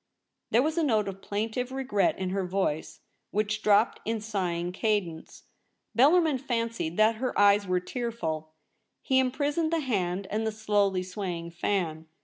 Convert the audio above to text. There was a note of plaintive regret in her voice, which dropped in sighing cadence. Bellarmin fancied that her eyes were tearful. He imprisoned the hand and the slowly swaying fan.